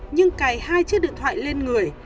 nhưng cài hai chiếc điện thoại lên người